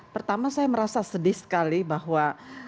pertama saya merasa sedih sekali bahwa